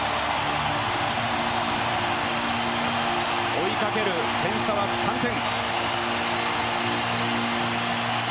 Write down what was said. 追いかける点差は３点。